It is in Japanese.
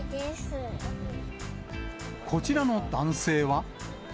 こちらの男性は。